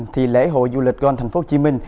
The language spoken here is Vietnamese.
thì lễ hội du lịch gon tp hcm